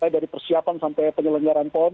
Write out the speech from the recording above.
dari persiapan sampai penyelenggaran pon